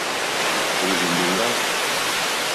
Òrzì lìŋɡá.